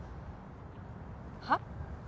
はっ？